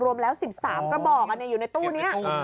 รวมแล้ว๑๓กระบอกอยู่ในตู้นี้